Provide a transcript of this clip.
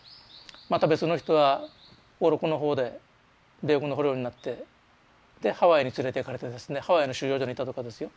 また別の人は小禄の方で米軍の捕虜になってでハワイに連れていかれてですねハワイの収容所にいたとかですよ。